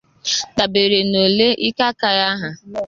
dàbere n'ole ike aka ya hà.